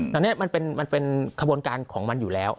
ตรงเนี้ยมันเป็นขบงานของมันอยู่แล้ว